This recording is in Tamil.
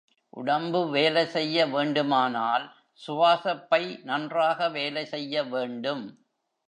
உடம்பு வேலை செய்ய வேண்டுமானால் சுவாசப்பை நன்றாக வேலை செய்ய வேண்டும்.